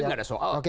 tidak ada soal